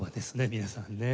皆さんね。